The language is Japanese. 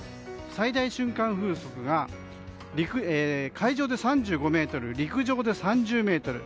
最大瞬間風速が海上で３５メートル陸上で３０メートル。